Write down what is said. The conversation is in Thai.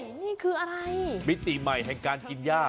นี่คืออะไรมิติใหม่แห่งการกินย่า